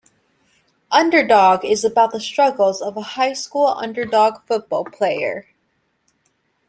"Underdog" is about the struggles of a high school underdog football player.